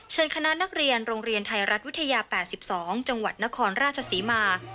คณะนักเรียนโรงเรียนไทยรัฐวิทยา๘๒จังหวัดนครราชศรีมา